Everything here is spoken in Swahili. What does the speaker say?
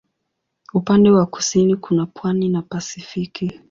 Upande wa kusini kuna pwani na Pasifiki.